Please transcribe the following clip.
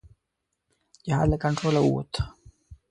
جهاد له کنټروله ووت.